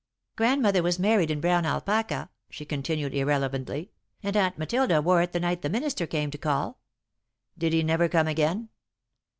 "Grandmother was married in brown alpaca," she continued, irrelevantly, "and Aunt Matilda wore it the night the minister came to call." "Did he never come again?"